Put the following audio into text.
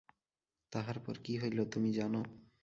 তাহার পর কী হইল তুমি জান।